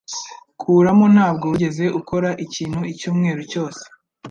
Kuramo! Ntabwo wigeze ukora ikintu icyumweru cyose.